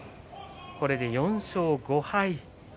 これで４勝５敗。